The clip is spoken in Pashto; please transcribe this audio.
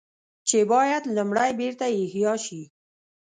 چې بايد لومړی بېرته احياء شي